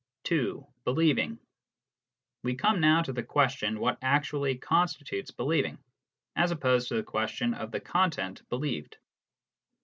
(2) Believing. We come now to the question what actually constitutes believing, as opposed to the question of the content believed.